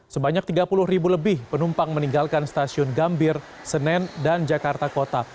sebanyak tiga puluh ribu lebih penumpang meninggalkan stasiun gambir senen dan jakarta kota